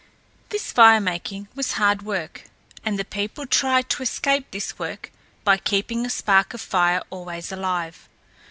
This fire making was hard work, and the people tried to escape this work by keeping a spark of fire always alive.